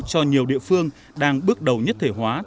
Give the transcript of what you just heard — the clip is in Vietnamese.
cho nhiều địa phương đang bước đầu nhất thể hóa